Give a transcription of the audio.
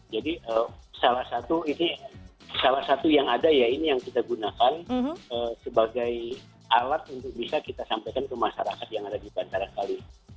jadi salah satu yang ada ya ini yang kita gunakan sebagai alat untuk bisa kita sampaikan ke masyarakat yang ada di bandara kali